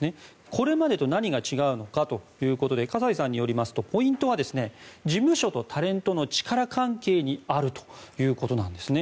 これまでと何が違うのかということで河西さんによりますとポイントは事務所とタレントの力関係にあるということです。